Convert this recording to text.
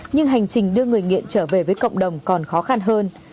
nhưng hành trình đưa người nghiện trở về với cộng đồng còn khó khăn hơn